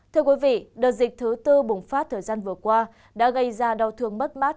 thưa quý vị đợt dịch thứ tư bùng phát thời gian vừa qua đã gây ra đau thương mất mát